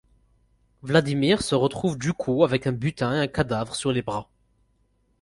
Vladimir se retrouve du coup avec un butin et un cadavre sur les bras...